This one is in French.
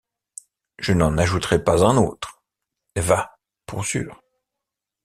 Je n’en ajouterai pas un autre, va, pour sûr!